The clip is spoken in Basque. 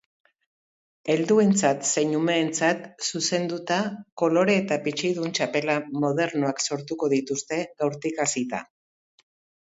Helduentzat zein umeentzat zuzenduta kolore eta pitxidun txapela modernoak sortuko dituzte gaurtik hasita.